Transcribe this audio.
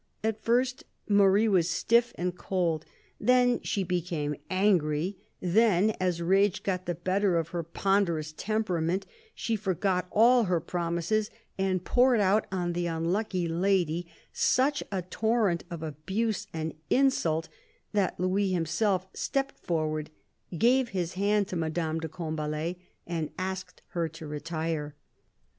At first Marie was stiff and cold ; then she became angry ; then, as rage got the better of her ponderous temperament, she forgot all her promises and poured out on the unlucky lady such a torrent of abuse and insult that Louis himself stepped forward, gave his hand to Madame de Combalet, and asked her to retire.